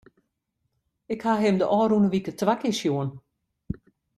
Ik ha him de ôfrûne wike twa kear sjoen.